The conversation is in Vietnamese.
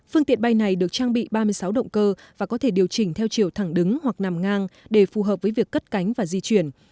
phương tiện bay này được trang bị ba mươi sáu động cơ và có thể điều chỉnh theo chiều thẳng đứng hoặc nằm ngang để phù hợp với việc cất cánh và di chuyển